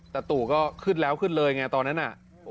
แต่ตู่ก็ขึ้นแล้วขึ้นเลยไงตอนนั้นน่ะ